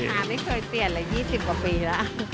ไม่เคยเปลี่ยนเลย๒๐กว่าปีแล้ว